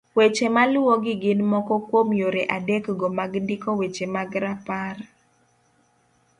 Weche maluwogi gin moko kuom yore adekgo mag ndiko weche mag rapar